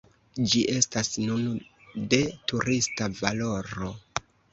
Ĝi estas nun de turista valoro.